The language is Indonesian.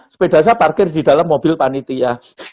sepeda saya parkir di dalam mobil panitia